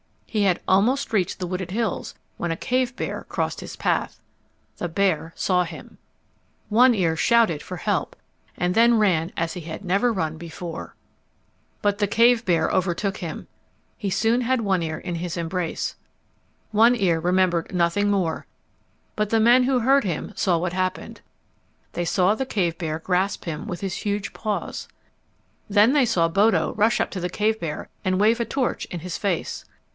He had almost reached the wooded hills when a cave bear crossed his path. The bear saw him. One Ear shouted for help, and then ran as he had never run before. [Illustration: "They saw Bodo rush up to the cave bear and wave a torch in his face"] But the cave bear overtook him. He soon had One Ear in his embrace. One Ear remembered nothing more, but the men who heard him saw what happened. They saw the cave bear grasp him with his huge paws. Then they saw Bodo rush up to the cave bear and wave a torch in his face.